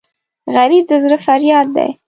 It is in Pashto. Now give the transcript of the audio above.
غریب د زړه فریاد دی